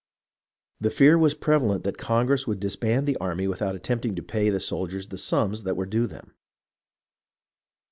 The fear was prevalent that Congress would disband the army without attempting to pay the soldiers the sums that were due them.